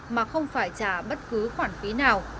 mà không phải trả bất cứ khoản phí nào